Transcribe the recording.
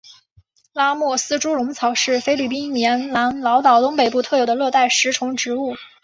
拉莫斯猪笼草是菲律宾棉兰老岛东北部特有的热带食虫植物。